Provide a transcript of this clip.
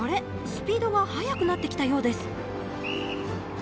スピードが速くなってきたようです。